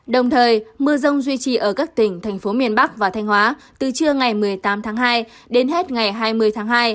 đồng thời mưa rông duy trì ở các tỉnh thành phố miền bắc và thanh hóa từ trưa ngày một mươi tám tháng hai đến hết ngày hai mươi tháng hai